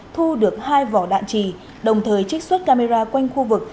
thu được hai vỏ đạn trì đồng thời trích xuất camera quanh khu vực